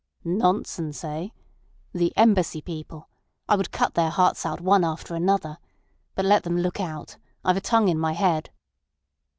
"Nonsense—eh? The Embassy people! I would cut their hearts out one after another. But let them look out. I've got a tongue in my head."